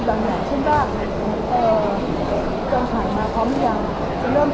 เขาจะพูดบางอย่างเช่นว่าเอ่อต้องขายมาพร้อมหรือยัง